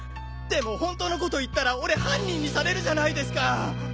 でも本当のことを言ったら俺犯人にされるじゃないですか。